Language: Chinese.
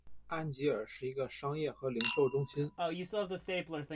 安吉尔是一个商业和零售中心。